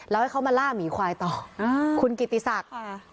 แล้วให้เขามาล่าหมีควายต่อคุณกิติศักดิ์